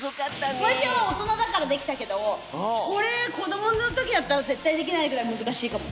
フワちゃんはおとなだからできたけどこれこどものときだったらぜったいできないぐらいむずかしいかも。